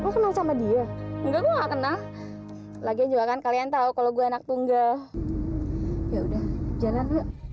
kenal sama dia enggak kenal lagi juga kan kalian tahu kalau gue anak tunggal ya udah jangan